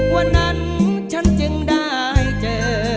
วันนั้นฉันจึงได้เจอ